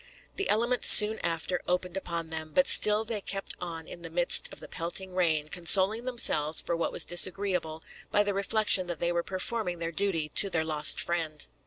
The elements soon after opened upon them, but still they kept on in the midst of the pelting rain, consoling themselves for what was disagreeable, by the reflection that they were performing their duty to their lost friend.